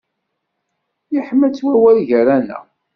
Yeḥma-tt wawal gar-aneɣ.